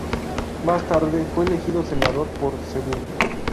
Más tarde fue elegido senador por Cebú.